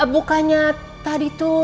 bukannya tadi tuh